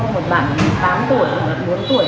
một bạn tám tuổi một bạn bốn tuổi